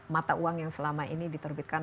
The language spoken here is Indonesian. mata uang yang selama ini diterbitkan